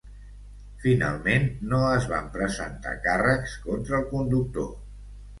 Finalment no es van presentar càrrecs contra el conductor.